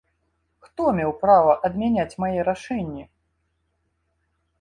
Хто меў права адмяняць мае рашэнні?